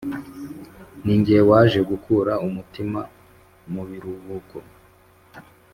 Ninjye waje gukura umutima mu biruhuko